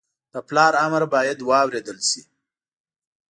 د پلار امر باید واورېدل شي